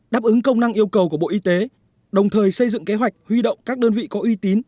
đáp ứng công năng yêu cầu của bộ y tế đồng thời xây dựng kế hoạch huy động các đơn vị có uy tín